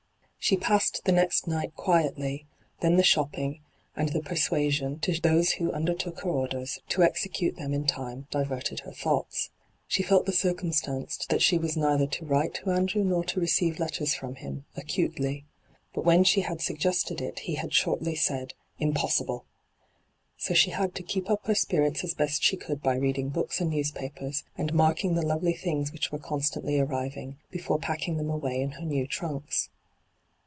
She passed the nest night quietly ; then the shopping, and the persuasion, to those who undertook her orders, to execute them in time, diverted her thoughts. She felt the circum stance that she was neither to write to Andrew nor to receive letters from him, acutely. But when she bad suggested it be had shortly said, ' Impossible !' So she bad to keep up her spirits as best she could by read ing books and newspapers, and marking the lovely things which were constantly arriving, before packing them away in her new trunks.